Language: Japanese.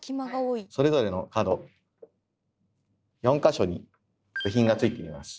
それぞれの角４か所に部品がついています。